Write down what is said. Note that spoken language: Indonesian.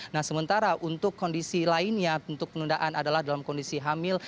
nah sementara untuk kondisi lainnya untuk penundaan adalah dalam kondisi hamil